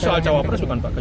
soal jawabannya bukan pak